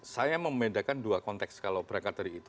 saya membedakan dua konteks kalau mereka tadi itu